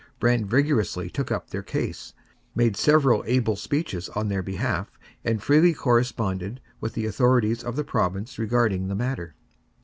Brant vigorously took up their case, made several able speeches on their behalf, and freely corresponded with the authorities of the province regarding the matter.